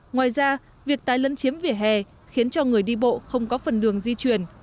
ngoài ra việc tái lấn chiếm vỉa hè khiến cho người đi bộ không có phần đường di chuyển